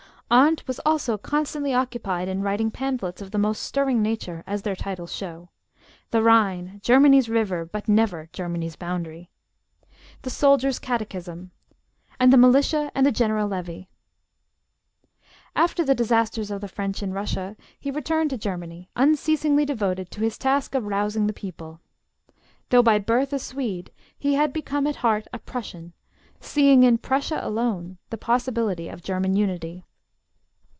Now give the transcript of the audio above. Arndt was also constantly occupied in writing pamphlets of the most stirring nature, as their titles show: 'The Rhine, Germany's River, but Never Germany's Boundary'; 'The Soldier's Catechism'; and 'The Militia and the General Levy.' After the disasters of the French in Russia, he returned to Germany, unceasingly devoted to his task of rousing the people. Though by birth a Swede, he had become at heart a Prussian, seeing in Prussia alone the possibility of German unity.